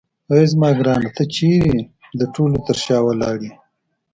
اې زما ګرانه ته چیرې د ټولو تر شا ولاړ یې.